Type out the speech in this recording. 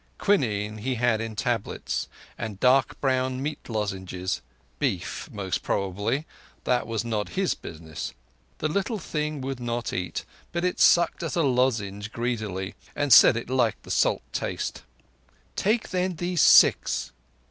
Quinine he had in tablets, and dark brown meat lozenges—beef most probably, but that was not his business. The little thing would not eat, but it sucked at a lozenge greedily, and said it liked the salt taste. "Take then these six."